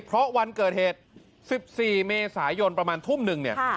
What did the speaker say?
เพราะวันเกิดเหตุ๑๔เมษายนประมาณทุ่มหนึ่งเนี่ย